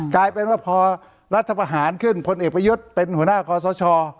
กลายเป็นว่าพอรัฐประหารขึ้นพลเอกประยุทธ์เป็นหัวหน้าคอสช